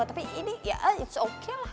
tapi ini ya it's okay lah